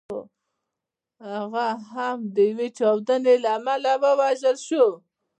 هغه هم د یوې چاودنې له امله ووژل شو.